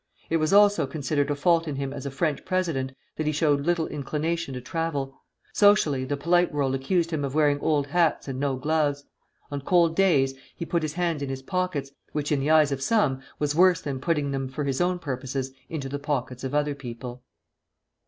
It was also considered a fault in him as a French president that he showed little inclination to travel. Socially, the polite world accused him of wearing old hats and no gloves. On cold days he put his hands in his pockets, which in the eyes of some was worse than putting them for his own purposes into the pockets of other people.